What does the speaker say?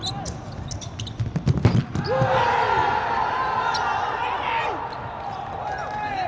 สวัสดีครับทุกคน